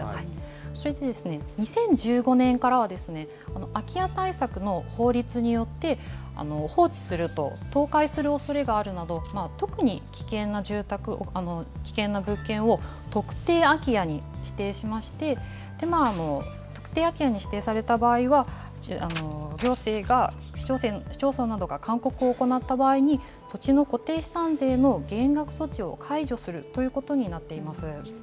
それでですね、２０１５年からは、空き家対策の法律によって、放置すると、倒壊するおそれがあるなど、特に危険な住宅、危険な物件を特定空き家に指定しまして、特定空き家に指定された場合は、行政が、市町村などが勧告を行った場合に、土地の固定資産税の減額措置を解除するということになっています。